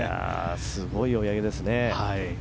すごい追い上げですね。